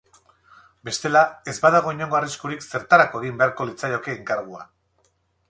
Bestela, ez badago inongo arriskurik zertarako egin beharko litzaioke enkargua.